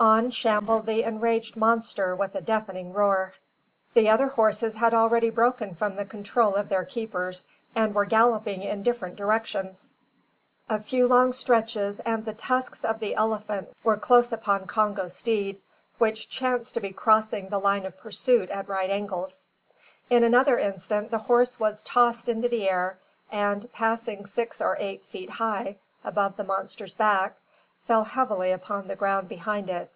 On shambled the enraged monster with a deafening roar. The other horses had already broken from the control of their keepers, and were galloping in different directions. A few long stretches and the tusks of the elephant were close upon Congo's steed, which chanced to be crossing the line of pursuit at right angles. In another instant the horse was tossed into the air, and, passing six or eight feet high above the monster's back, fell heavily upon the ground behind it.